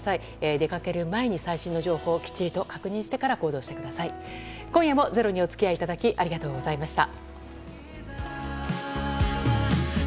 出かける前に最新の情報を確認してから今夜も「ｚｅｒｏ」にお付き合いいただきありがとうございました。